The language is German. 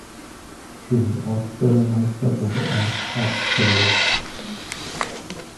Zum Ortsbürgermeister wurde Ernst Herbst gewählt.